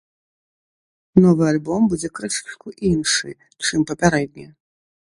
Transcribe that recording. Новы альбом будзе крышачку іншы, чым папярэдні.